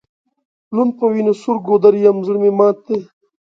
لوند په وینو سور ګودر یم زړه مي مات دی